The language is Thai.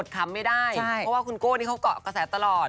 คำไม่ได้เพราะว่าคุณโก้นี่เขาเกาะกระแสตลอด